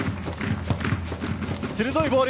鋭いボール。